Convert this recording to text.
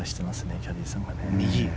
キャディーさんが。